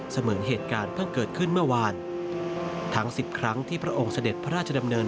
เหมือนเหตุการณ์เพิ่งเกิดขึ้นเมื่อวานทั้งสิบครั้งที่พระองค์เสด็จพระราชดำเนิน